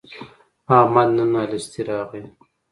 احمد نن الستی راغی.